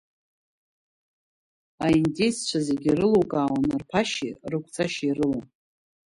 Аиндеиццәа зегьы ирылукаауан рԥашьеи, рықәҵашьеи рыла.